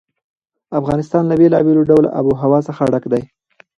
افغانستان له بېلابېلو ډوله آب وهوا څخه ډک دی.